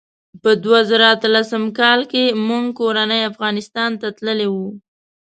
په دوه زره اتلسم کال کې موږ کورنۍ افغانستان ته تللي وو.